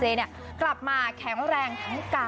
หลังจากงานคอนเสิร์ตค่ะ